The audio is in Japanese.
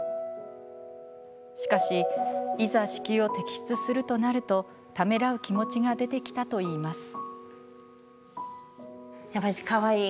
しかし、いざ子宮を摘出するとなるとためらう気持ちが出てきたといいます。